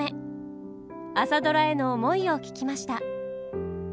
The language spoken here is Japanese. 「朝ドラ」への思いを聞きました。